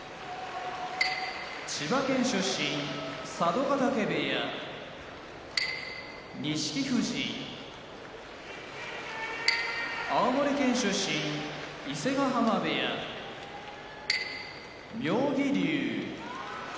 千葉県出身佐渡ヶ嶽部屋錦富士青森県出身伊勢ヶ濱部屋妙義龍